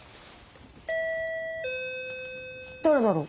誰だろう？